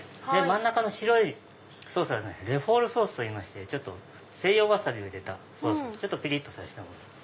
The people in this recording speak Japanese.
真ん中の白いソースがレフォールソースといいまして西洋ワサビを入れたソースでちょっとピリっとさせたものに。